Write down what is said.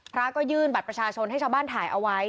พระก็ยื่นบัตรประชาชนให้ชาวบ้านถ่ายเอาไว้